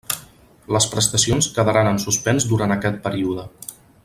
Les prestacions quedaran en suspens durant aquest període.